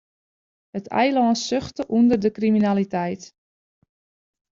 It eilân suchte ûnder de kriminaliteit.